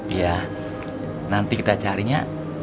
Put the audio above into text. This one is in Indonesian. iya nanti kita carinya